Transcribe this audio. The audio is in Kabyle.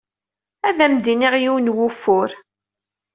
Ad am-d-nini yiwen n wufur.